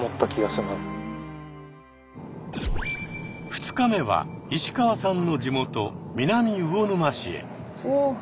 ２日目は石川さんの地元南魚沼市へ。